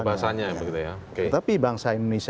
kalau ada kebebasannya ya